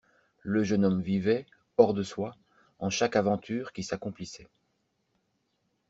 Le jeune homme vivait, hors de soi, en chaque aventure qui s'accomplissait.